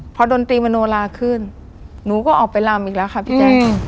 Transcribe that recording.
พอดนตรีมโนลาขึ้นหนูก็ออกไปลำอีกแล้วค่ะพี่แจ๊ค